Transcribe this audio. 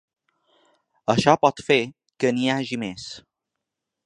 Això pot fer que n’hi hagi més.